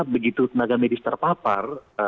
karena begitu tenaga medis terpapar